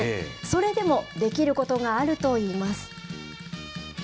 それでもできることがあるといいます。